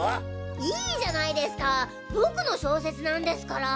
いいじゃないですか僕の小説なんですから。